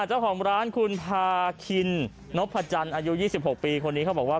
เจ้าของร้านคุณพาคินนพจันทร์อายุ๒๖ปีคนนี้เขาบอกว่า